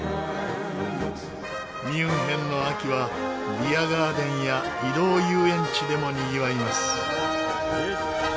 ミュンヘンの秋はビアガーデンや移動遊園地でもにぎわいます。